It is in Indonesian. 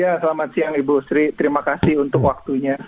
ya selamat siang ibu sri terima kasih untuk waktunya